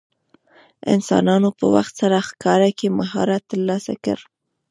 انسانانو په وخت سره ښکار کې مهارت ترلاسه کړ.